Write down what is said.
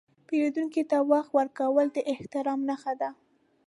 پیرودونکي ته وخت ورکول د احترام نښه ده.